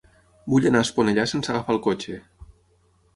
Vull anar a Esponellà sense agafar el cotxe.